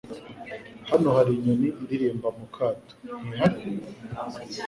Hano hari inyoni iririmba mu kato, ntihari?